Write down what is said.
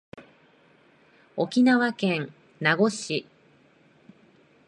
沖縄県名護市